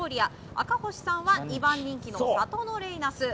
赤星さんは２番人気のサトノレイナス。